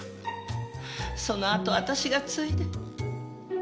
そのあとを私が継いで。